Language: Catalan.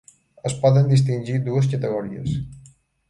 Es poden distingir dues categories.